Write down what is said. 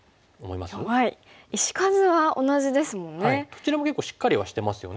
どちらも結構しっかりはしてますよね。